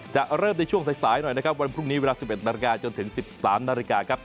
จะเริ่มในช่วงสายหน่อยนะครับวันพรุ่งนี้เวลา๑๑นาฬิกาจนถึง๑๓นาฬิกาครับ